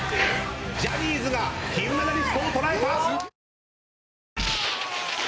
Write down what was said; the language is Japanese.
ジャニーズが金メダリストを捉えた！